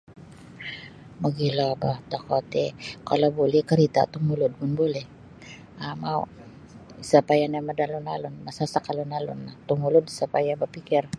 Mogilo boh tokou ti kalau buli karita tumulud pun buli um mau isa payah nio maya da alun-alun masasak alun-alun tumulud isa payah bapikir.